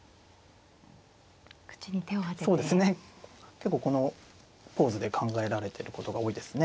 結構このポーズで考えられてることが多いですね。